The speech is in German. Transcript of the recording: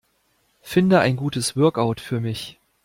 Finde ein gutes Workout für mich.